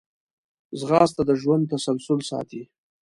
ځغاسته د ژوند تسلسل ساتي